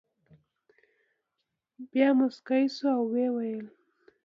بیا مسکی شو او ویې ویل.